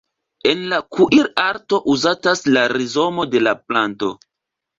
En la kuirarto uzatas la rizomo de la planto.